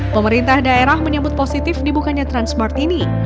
pemerintah daerah menyebut positif dibukanya transmart ini